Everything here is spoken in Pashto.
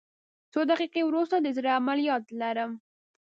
څو دقیقې وروسته د زړه عملیات لرم